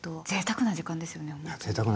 ぜいたくな時間ですよね。